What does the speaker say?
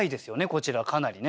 こちらかなりね。